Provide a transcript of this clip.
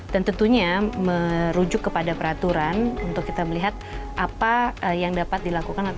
dan tentunya merujuk kepada peraturan untuk kita melihat apa yang dapat dilakukan